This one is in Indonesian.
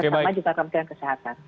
bersama juga kementerian kesehatan